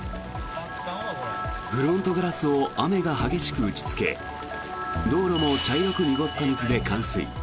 フロントガラスを雨が激しく打ちつけ道路も茶色く濁った水で冠水。